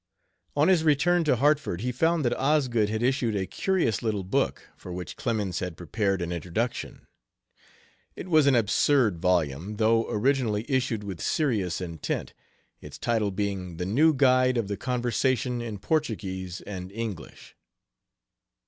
On his return to Hartford he found that Osgood had issued a curious little book, for which Clemens had prepared an introduction. It was an absurd volume, though originally issued with serious intent, its title being The New Guide of the Conversation in Portuguese and English.'